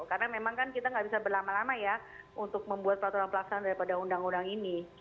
karena memang kan kita nggak bisa berlama lama ya untuk membuat peraturan pelaksanaan daripada undang undang ini